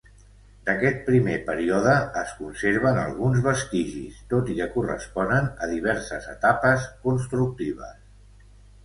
D'aquest primer període es conserven alguns vestigis, tot i que corresponen a diverses etapes constructives.